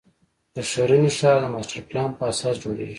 د ښرنې ښار د ماسټر پلان په اساس جوړېږي.